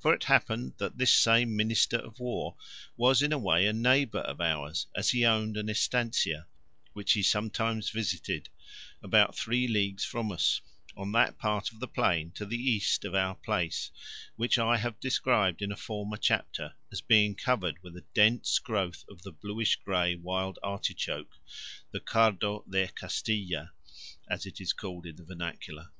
For it happened that this same Minister of War was in a way a neighbour of ours, as he owned an estancia, which he sometimes visited, about three leagues from us, on that part of the plain to the east of our place which I have described in a former chapter as being covered with a dense growth of the bluish grey wild artichoke, the cardo de Castilla, as it is called in the vernacular.